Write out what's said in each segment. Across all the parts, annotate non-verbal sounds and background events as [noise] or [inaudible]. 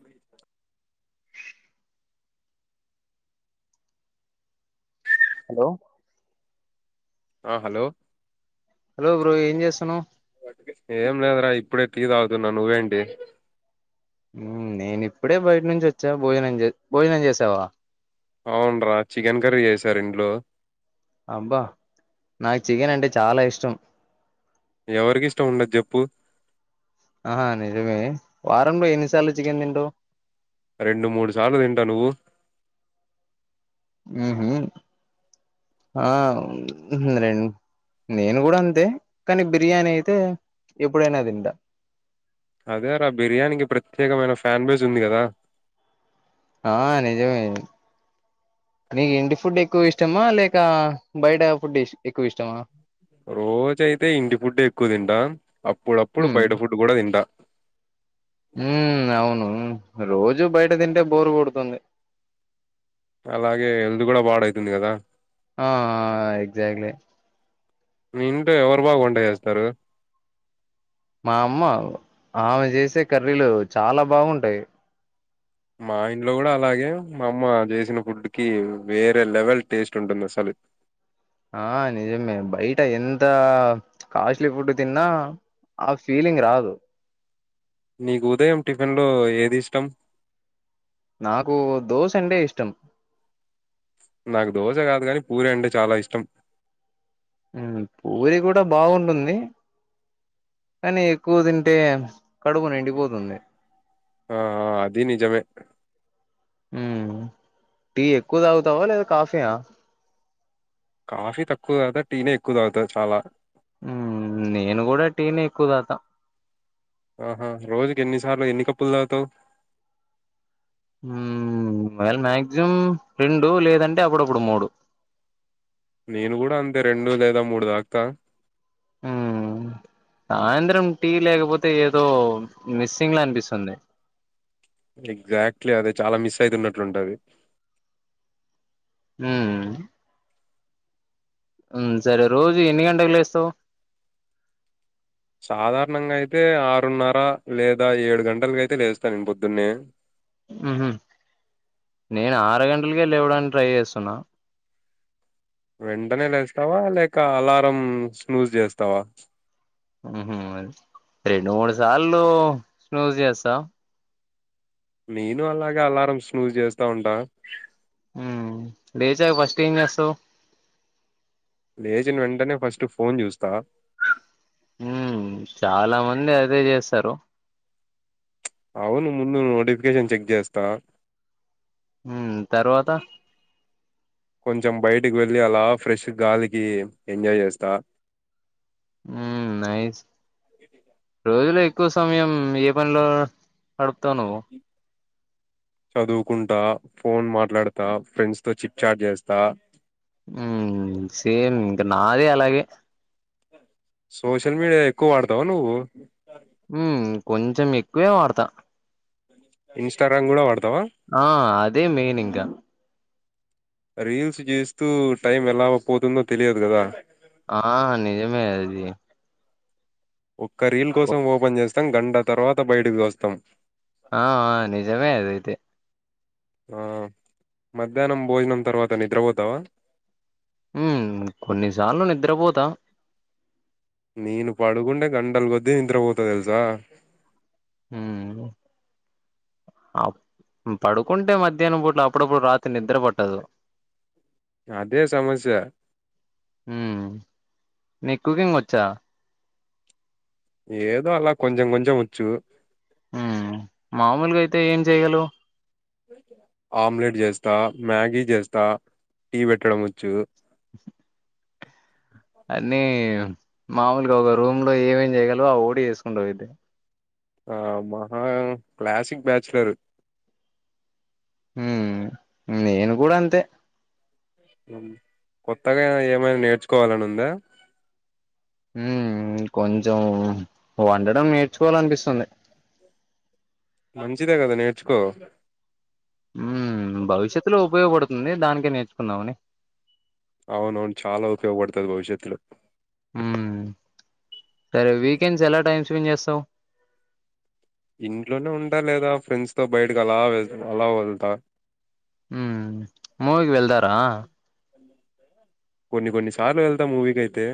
మ [inaudible] హలో ఆ hello hello bro ఏం చేస్తానవు. ఏం లేదురా ఇప్పుడే టీ తాగుతున్నా నువ్వేంటి. నేనుప్పుడే బయట నుంచి వచ్చా భోజనం చే భోజనం చేసావా. అవున్రా చికెన్ కర్రీ చేసారు ఇంట్లో అబ్బా నాకు చికెన్ అంటే చాలా ఇష్టం. ఎవరికి ఇష్టం ఉండదు చేప్పు ఆ నిజమే వారంలో ఎన్నిసార్లు చికెన్ తింటావ్. రెండు మూడు సార్లు తింటా నువ్వు ఉహు ఆ రె నేను కూడా అంతే కానీ బిర్యానీ అయితే ఎప్పుడైనా తింటా. అదే రా బిర్యానీకి ప్రత్యేకమైన ఫ్యాన్ బేస్ ఉంది కదా. ఆ నిజమే. నీకు ఇంటి ఫుడ్ ఎక్కువ ఇష్టమా లేక బయట ఫుడ్ ఎక్కువ ఇష్టమా. రోజయితే ఇంటి ఫుడ్ ఎక్కువ తింటా అప్పుడప్పుడు ఉమ్ బయట ఫుడ్ కూడా తింట. ఉమ్ అవును రోజూ బయట తింటే బోరు కొడుతుంది. అలాగే హెల్త్ కూడా పాడఉతుంది కదా. ఆ ఎక్జాక్ట్లీ. మీ ఇంట్లో ఎవరు బాగా వంట చేస్తారు. మా అమ్మ ఆమె చేసే కర్రీలు చాల బాగుంటాయి. మా ఇంట్లో కూడ అలాగే మా అమ్మ చేసిన ఫుడ్ కి వేరే లెవెల్ టేస్ట్ ఉంటుంది అసలు. ఆ నిజమే బయట ఎంత కాస్ట్లీ ఫుడ్ తిన్న ఆ ఫీలింగ్ రాదు. నీకు ఉదయం టిఫిన్ లో ఏది ఇష్టం నాకు దోష అంటే ఇష్టం నాకు దోష కాదు కానీ పూరి అంటే చాల ఇష్టం పూరి కూడ బాగుంటుంది కానీ ఎక్కువ తింటే కడుపు నిండిపోతుంది ఆ అది నిజమే ఉ టీ ఎక్కువ తాగుతావ లేదా కాఫీయ కాఫీ తక్కువ తాగుతా టీనే ఎక్కువ తాగుత చాల నేను కూడ టీనే ఎక్కువ తాగుత ఆహా రోజుకి ఎన్నిసార్లు ఎన్ని కప్పులు తాగుతావ్ ఉ [unintelligible] మాక్సిమం రెండు లేదంటే అప్పుడప్పుడు మూడు నేను గుడ అంతే రెండు లేదా మూడు తాగుత ఉ సాయంత్రం టీ లేకపోతే ఏదో మిస్సింగ్ల అనిపిస్తుంది ఎగ్జాక్ట్లీ అదే చాల మిస్ అయితున్నటు వుంటాది హు సరే రోజు ఎన్ని గంటకు లేస్తావ్ సాధారణంగ అయితే ఆరున్నర లేద ఏడు గంటలకి అయితే లేస్తాను నేను పొద్దున్నే నేను ఆరు గంటలకే లేవడానికి ట్రై చేస్తున్న వెంటనే లేస్తావ లేక అలారం స్మూజ్ చేస్తావా రెండు మూడు సార్లు స్నుజ్ చేస్త నేను అలాగే అలారం స్నుజ్ చేస్తా ఉంట లేచాక ఫస్ట్ ఏం చేస్తావ్ లేచిన వెంటనే ఫస్ట్ ఫోన్ చూస్త ఉ చాల మంది అదే చేస్తారు అవును ముందు నోటిఫికేషన్ చెక్ చేస్త ఉ తర్వాత కొంచెం బయటికి వెళ్లి అలా ఫ్రెష్ గాలికి ఎంజాయ్ చేస్త ఉ నైస్ రోజులో ఎక్కువ సమయం ఏ పనిలో గడుపుతావ్ నువ్వు చదువుకుంటా ఫోన్ మాట్లాడత ఫ్రెండ్స్ తో చీప్ చాట్ చేస్తా ఉమ్ సేమ్ ఇంకా నాది అలాగే సోషల్ మీడియ ఎక్కువ వాడతావ నువ్వు ఉ కొంచెం ఎక్కువే వాడత ఇంస్టాగ్రామ్ కూడ వాడ్ ఆ అదే మెయిన్ ఇంగ రీల్స్ చేస్తూ టైం ఎలా పోతుందో తెలియదు కదా ఆ నిజమే అది ఒక్క రీల్ కొ కోసం ఓపెన్ చేస్తాం గంట తర్వాత బయటకి వస్తం ఆ నిజమే అది అయితే ఆ మధ్యాహ్నం భోజనం తర్వాత నిద్రపోతావా ఉ కొన్నిసార్లు నిద్రపోతా నేను పడుకుంటే గంటల కొద్దీ నిద్రపోతా తెలుసా ఉ ఆ పడుకుంటే మధ్యాహ్నం పూట్ల అప్పుడప్పుడు రాత్రి నిద్ర పట్టదు. అదే సమస్య హ్మ్. నీకు కుకింగ్ వచ్చా ఏదో అలా కొంచం కొంచం వచ్చు ఉ మామూలుగా అయితే ఏం చేయగలవు ఆమ్లెట్ చేస్తా మ్యాగీ చేస్తా టీ పెట్టడం వచ్చు అన్నీ మామూలుగా ఒక రూమ్ లో ఏమేమి చేయగలరో అవోకటి చేసుకుంటావు అయితే. ఆ మహా క్లాసిక్ బ్యాచలరు ఉ నేను కూడా అంతే ఉ కొత్తగా ఏమైనా నేర్చుకోవాలని ఉందా ఉ కొంచెం వండడం నేర్చుకోవాలనిపిస్తుంది [inaudible] మంచిదే కదా నేర్చుకో ఉ భవిష్యత్లో ఉపయోగపడుతుంది దానికే నేర్చుకుందామని. అవునవును చాలా ఉపయగపడతాది భవిష్యత్తులో. ఉ సరే వీకెండ్స్ ఎలా టైమ్ స్పెండ్ చేస్తావు. ఇంట్లోనే ఉంటా లేదా ఫ్రెండ్స్తో బయటకు అలా వెళ్తా అలా వెళ్తా. ఉ మూవికి వెళ్తారా కొన్ని కొన్ని సార్లు వెళ్తా మూవీకి అయితే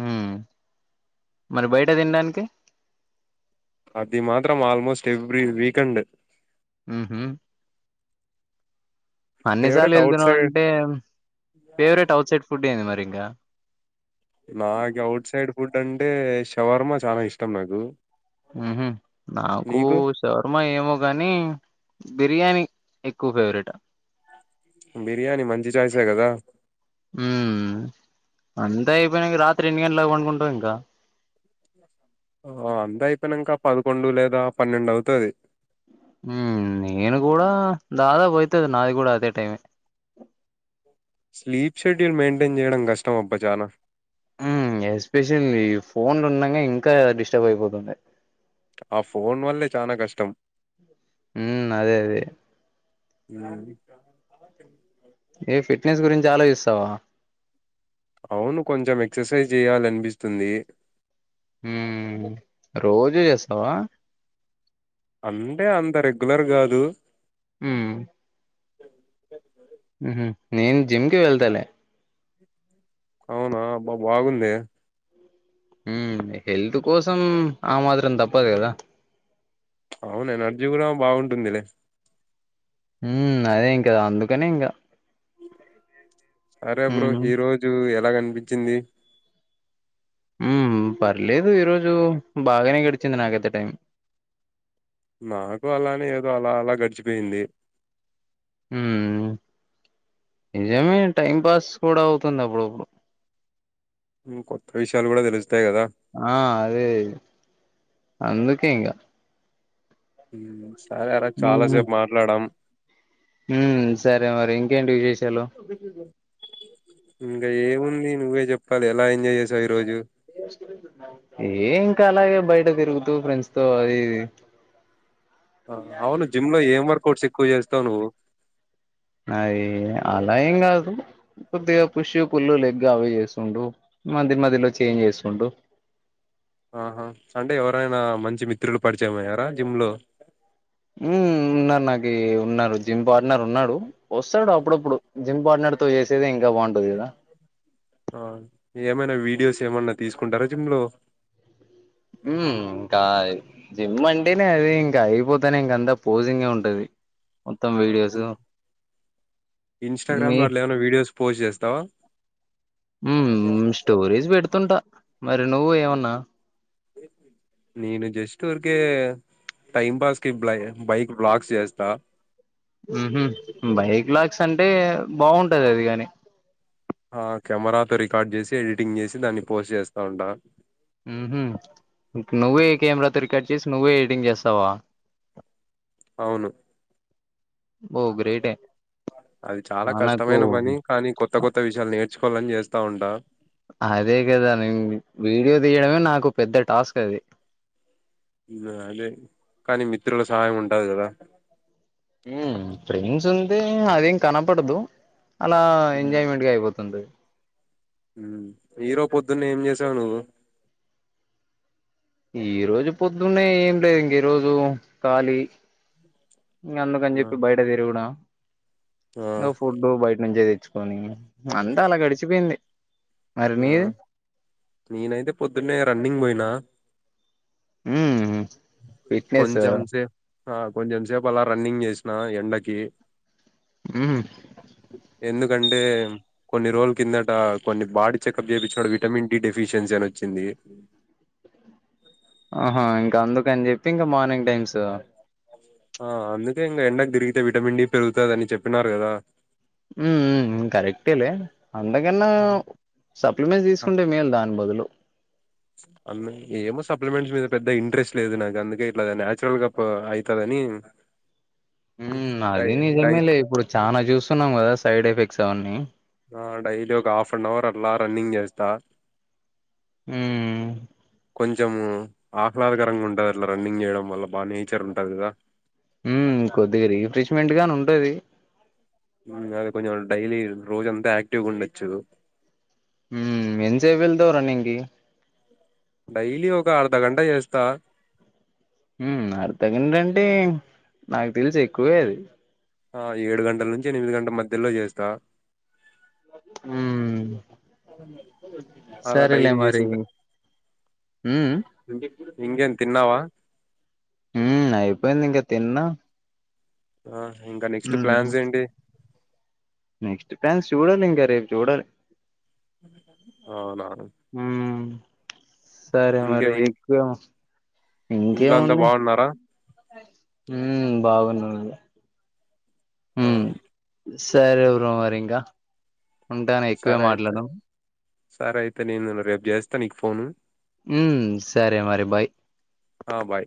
ఉ మరి బయట తినడానికి అది మాత్రం ఆల్మోస్ట్ ఎవ్రీ వీకెండ్ ఉహు అన్నిసార్లు ఫేవరెట్ అవుట్ వెళ్తున్నావు సైడ్ అంటే ఫేవరెట్ అవుట్ సైడ్ ఫుడ్ ఏంది మరి ఇంకా. నాకు అవుట్ సైడ్ ఫుడ్ అంటే షవర్మ చాలా ఇష్టం నాకు. ఉహు నాకు నీకు శవర్మ ఏమో గాని బిర్యానీ ఎక్కువ ఫేవరెట్ బిర్యానీ మంచి చాయిసే కదా ఉ అంత అయిపోయినాక రాత్ర్ త్రికి ఎన్ని గంటలాకి పడుకుంటవ్ ఇంకా ఓ అంతా అయిపోయినాంకా పదకొండు లేదా పన్నెండు అవుతది. ఉ నేను కూ డా దాదాపు అయితది నాది కూడా అదే టైమే స్లీప్ షెడ్యూల్ మెయింటైన్ చేయడం కష్టం అబ్బా చానా. ఉమ్ ఎక్సపెషలి ఫోన్లు ఉన్నంగా ఇంకా డిస్టర్బ్ అయిపోతంది. ఆ ఫోన్ వల్లే చానా కష్టం ఉ అదే అదే ఉ యే ఫిట్నెస్ గురించి ఆలోచిస్తావా అవును కొంచెం ఎక్సర్సైజ్ చేయాలి అనిపిస్తుంది ఉ రోజు చేస్తావా అంటే అంత రెగ్యులర్ కాదు హుమ్ నేను జిమ్ కి వెళ్తాలే అవునా అబ్బా బాగుందే హుమ్ హెల్త్ కోసం ఆ మాత్రం తప్పదు కదా అవును ఎనర్జీ కూడా బాగుంటుందిలే హుమ్ అదే ఇంక అందుకనే ఇంకా సరే బ్రో ఉమ్ ఈ రోజు ఎలాగనిపించింది హుమ్ పర్లేదు ఈరోజు బాగానే గడిచింది నాకైతే టైం నాకు అలానే ఏదో అలా అలా గడిచిపోయింది హుమ్ నిజమే టైం పాస్ కూడా అవుతుంద బ్రో కొత్త విషయాలు కూడా తెలుస్తయ్ ఆ అదే అందుకే ఇంకా సరే రా చాలాసేపు మాట్లాడాం హుమ్ సరే మరి ఇంకేంటి విశేషాలు ఇంకా ఏముంది నువ్వే చెప్పాలి ఎలా ఎంజాయ్ చేసావు ఈ రోజు ఇంక అలాగే బయట తిరుగుతూ ఫ్రెండ్స్ తో అది ఇది అవును జిమ్ లో ఏం వర్కౌట్స్ ఎక్కువ చేస్తావు నువ్వు అయ్యా ఆల్ అదేం కాదు కొద్దిగా పుష్ పుల్లు లెగ్ అవి చేస్తుండు అంతే మధ్య మధ్యలో చేంజ్ చేస్తుండు ఉ ఆహా అంటే ఎవరైనా మంచి మిత్రులు పరిచయమయ్యారా జిమ్ లో హుమ్ ఉన్నార్ నాక్ ఈ ఉన్నారు జిమ్ పార్ట్నర్ ఉన్నాడు, వస్తాడు అప్పుడప్పుడు జిమ్ పార్ట్నర్ తో చేసేదే ఇంకా బాగుంటది, కదా [unintelligible] ఆ ఏమైనా వీడియోస్ ఏమన్నా తీసుకుంటారా జిమ్లో హుమ్ ఇంకా జిమ్ అంటేనే అది ఇంకా అయిపోతానే ఇంక అంతా పోజింగ్ గే ఉంటది మొత్తం వీడియోస్ మీ ఇన్స్టాగ్రామ్ లో అట్లా ఏమైన్నా వీడియోస్ పోస్ట్ చేస్తావా హుమ్ స్టోరీస్ పెడుతుంటా మరి నువ్వు ఏమన్నా నేను జస్ట్ ఊరికే టైం పాస్ కి బ్లై బైక్ వ్లోగ్ చేస్తా ఉహు బైక్ వ్లాగ్స్ అంటే బాగుంటది అది గాని ఆ కెమెరాతో రికార్డ్ చేసి ఎడిటింగ్ చేసి దాన్ని పోస్ట్ చేస్తా ఉంటా హుమ్ హు నువ్వే కెమెరాతో రికార్డ్ చేసి నువ్వే ఎడిటింగ్ చేస్తావా [unintelligible] అవును ఓ గ్రేటే అది చాలా మనకు కష్టమైన పని కానీ కొత్త కొత్త విషయాలు నేర్చుకోవాలని చేస్తా ఉంటా అదే కదా నే వీడియో తీయడమే నాకు పెద్ద టాస్క్ అది అదే కానీ మిత్రుల సహాయం ఉంటది కదా ఫ్రెండ్స్ ఉంటే అదేం కనపడదు అలా ఎంజాయ్మెంట్ గా అయిపోతుంది. ఈరోజు పొద్దున్నే ఏం చేసావు నువ్వు ఈ రోజు పొద్దున్నే ఏం లేదు ఇంక ఈ రోజు ఖాళీ ఇంక అందుకని ఆ చెప్పి బయట తిరుగుడం ఆ ఇగా ఫుడ్ బయట నుంచే తెచ్చుకోని అంత అలా గడిచిపోయింది, మరి ఆ. మీది నేనైతే పొద్దున్నే రన్నింగ్ పోయినా, ఊ ఫిట్నెస కొంచెం సేపు ఆ కొంచెం సేపు అలా రన్నింగ్ చేసిన ఎండకి ఉహు కంటే కొన్ని రోజుల కిందట కొన్ని బాడి చెకప్ చేపించుకున్ విటమిన్ డి డెఫిషియన్సీ అని వచ్చింది. [unintelligible] ఆహా ఇంకా అందుకని చెప్పి ఇంకా మార్నింగ్ టైమ్స్ ఆ అందుకే ఇంకా ఎండకు తిరిగితే విటమిన్ డి పెరుగుతది, అని చెప్పినారు కదా. ఊ కరెక్ట్ లే అంతకన్నా సప్లిమెంట్ తీసుకుంటే మేలు దాని బదులు అ ఏమో సప్లిమెంట్స్ మీద పెద్ద ఇంట్రెస్ట్ లేదు నాకు అందుకే ఇట్లా నచురల్ గా పో అయితదని, మ్మ్ ఉ అది నిజమేలే ఇప్పుడు చానా చూస్తున్నాం కదా సైడ్ ఎఫెక్ట్స్ అవన్నీ, ఆ డైలీ ఒక హాఫ్ అన్ అవర్ అట్లా రన్నింగ్ చేస్తా, ఉమ్ కొంచము ఆహ్లాదకరంగా ఉంటది, అట్లా రన్నింగ్ చేయడం వల్ల బాగా నేచర్ ఉంటది కదా ఉ కొద్దిగా రీఫ్రెష్మెంట్ గాని ఉంటది, కొంచం డైలీ రోజు అంతా ఆక్టీవ్గా ఉండొచ్చు. ఉ ఎంతసేపు వెళ్తావ్ రన్నింగ్ కి డైలీ ఒక అర్ధ గంట చేస్తా ఊ అర్థగంటంటే నాకు తెలుసు ఎక్కువే అది ఆ ఏడు గంటల నుంచి ఎనిమిది గంటల మధ్యలో చేస్తా. ఊ సరేలే మరి ఉమ్ ఇంకేంటి తిన్నావా ఉ అయిపోయింది ఇంకా తిన్నా ఆ ఇంకా నెక్స్ట్ ప్లాన్స్ ఏంటి నెక్స్ట్ కాల్స్ చూడాలి ఇంకా రేపు చూడాలి అవునా ఉమ్ సరే ఇంకేం మరి ఇన్- ఎక్కువ ఇంట్లో అంతా ఇంకేముంది బాగున్నారా ఊ బాగున్నాదిగ ఆ సరే బ్రో మరి ఇంకా ఉంటానే ఎక్కువే సరే అయితే మాట్లాడినం. సరే అయితే నేను రేపు చేస్తా నీకు ఫోను ఉ సరే మరి బయ్ ఆ బాయ్